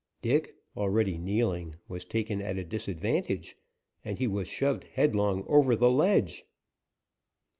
Dick, already kneeling, was taken at a disadvantage, and he was shoved headlong over the ledge.